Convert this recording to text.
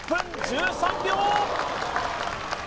１分１３秒！